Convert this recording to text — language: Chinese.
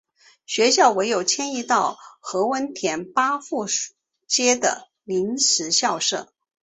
学校唯有迁移到何文田巴富街的临时校舍。